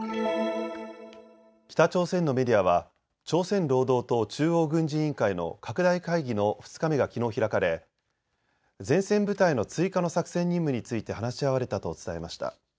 北朝鮮のメディアは朝鮮労働党中央軍事委員会の拡大会議の２日目がきのう開かれ前線部隊の追加の作戦任務について話し合われたと伝えました。